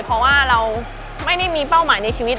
เพราะว่าเราไม่ได้มีเป้าหมายในชีวิต